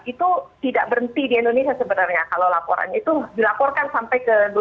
itu tidak berhenti di indonesia sebenarnya kalau laporannya itu dilaporkan sampai ke dua puluh